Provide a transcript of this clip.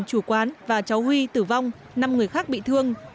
chủ quán và cháu huy tử vong năm người khác bị thương